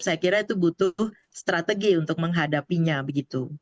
saya kira itu butuh strategi untuk menghadapinya begitu